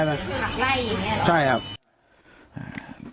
หลักไล่อย่างนี้หรอครับใช่ครับ